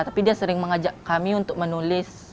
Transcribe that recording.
tapi dia sering mengajak kami untuk menulis